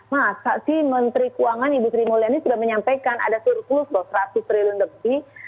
masa sih menteri keuangan ibu sri mulyani sudah menyampaikan ada surplus loh seratus triliun lebih